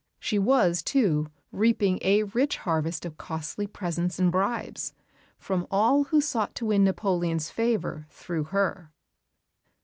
She was, too, reaping a rich harvest of costly presents and bribes, from all who sought to win Napoleon's favour through her.